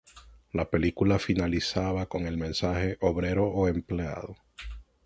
La película finalizaba con el mensaje: "¡Obrero o empleado!